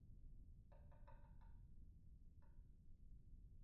Binadamu hupenda kusifiwa